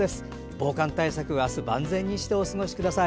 防寒対策を万全にしてお過ごしください。